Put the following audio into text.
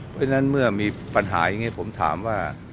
เพราะฉะนั้นเมื่อมีปัญหาอย่างนี้ผมถามว่า